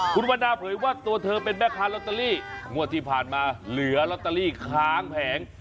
คุณวันนาเผยว่าตัวเธอเป็นแม่ค้าลอตเตอรี่งวดที่ผ่านมาเหลือลอตเตอรี่ค้างแผง